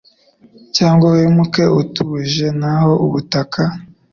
Cyangwa wimuke utuje naho ubutaha